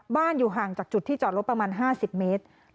อยู่ห่างจากจุดที่จอดรถประมาณ๕๐เมตร